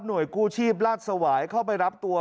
กู้ชีพราชสวายเข้าไปรับตัว